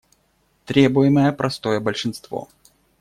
Требуемое простое большинство.